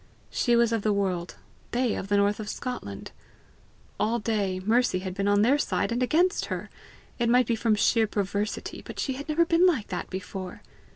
She was of the world; they of the north of Scotland! All day Mercy had been on their side and against her! It might be from sheer perversity, but she had never been like that before!